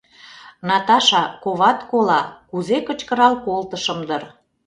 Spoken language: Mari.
«Наташа, коват кола!» — кузе кычкырал колтышым дыр.